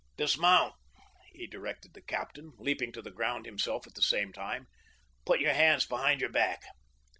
"Dismount," he directed the captain, leaping to the ground himself at the same time. "Put your hands behind your back."